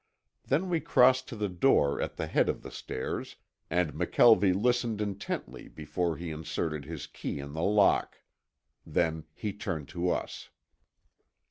Then we crossed to the door at the head of the stairs and McKelvie listened intently before he inserted his key in the lock. Then he turned to us.